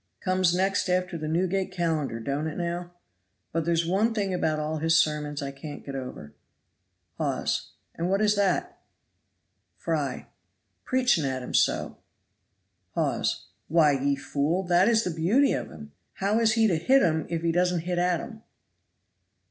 Comes next after the Newgate Calendar, don't it now? But there's one thing about all his sermons I can't get over. Hawes. And what is that? Fry. Preaches at 'em so. Hawes. Why, ye fool, that is the beauty of him. How is he to hit 'em if he doesn't hit at 'em?